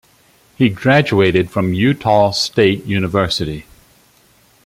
He graduated from Utah State University.